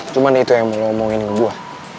cuman itu yang mau lo omongin ke gue